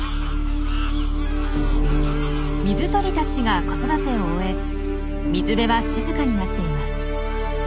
水鳥たちが子育てを終え水辺は静かになっています。